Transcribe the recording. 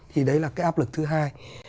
thì đấy là cái áp lực thứ hai